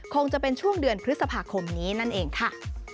คงจะเป็นช่วงเดือนพฤษภาคมนี้นั่นเองค่ะ